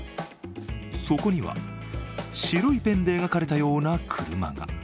そこには白いペンで描かれたような車が。